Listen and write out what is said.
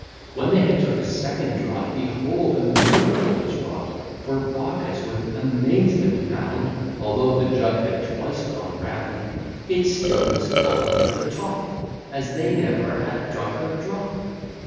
When they had took a second draught, Behold, a miracle was wrought; For, Baucis with amazement found, Although the jug had twice gone round, It still was full up to the top, As they ne'er had drunk a drop.